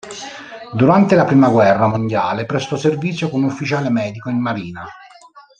Durante la prima guerra mondiale prestò servizio come ufficiale medico in Marina.